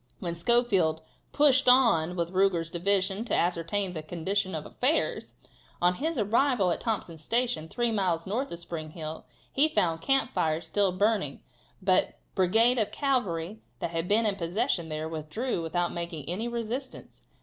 When Schofield "pushed on with Ruger's division to ascertain the condition of affairs," on his arrival at Thompson's Station, three miles north of Spring Hill, he found camp fires still burning, but the brigade of cavalry that had been in possession there, withdrew without making any resistance.